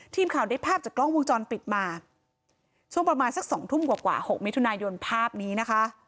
ทีมข่าวได้ภาพจากกล้องว่างจรปิดมาประมาณสัก๒ทุ่ม๖มิยห้าบ้าง